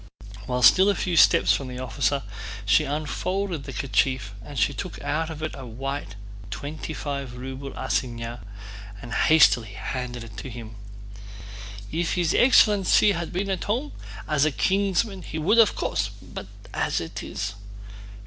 While still a few steps from the officer she unfolded the kerchief and took out of it a white twenty five ruble assignat and hastily handed it to him. "If his excellency had been at home, as a kinsman he would of course... but as it is..."